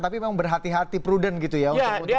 tapi memang berhati hati prudent gitu ya untuk